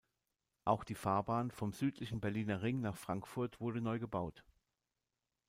Auch die Fahrbahn vom südlichen Berliner Ring nach Frankfurt wurde neu gebaut.